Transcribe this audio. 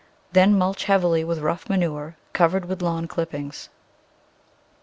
Then mulch heavily with rough manure covered with lawn clippings.